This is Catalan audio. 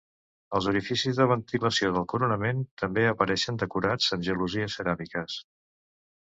Els orificis de ventilació del coronament també apareixen decorats amb gelosies ceràmiques.